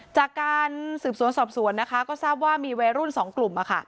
จากการสืบสวนสอบสวนนะคะก็ทราบว่ามีวัยรุ่น๒กลุ่ม